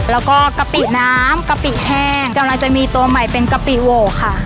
แล้วก็กะปิน้ำกะปิแห้งกำลังจะมีตัวใหม่เป็นกะปิโหวค่ะ